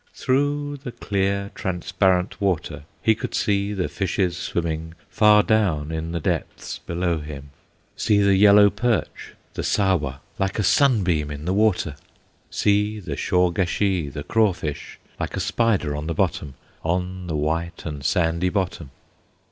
Through the clear, transparent water He could see the fishes swimming Far down in the depths below him; See the yellow perch, the Sahwa, Like a sunbeam in the water, See the Shawgashee, the craw fish, Like a spider on the bottom, On the white and sandy bottom.